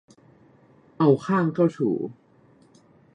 เอาข้างเข้าถู